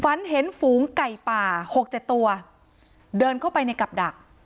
ฝันเห็นฝูงไก่ป่าหกเจ็ดตัวเดินเข้าไปในกับดัก